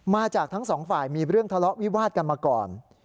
มาจากทั้งสองฝ่ายมีเรื่องทะเลาะวิวาดกันมาก่อน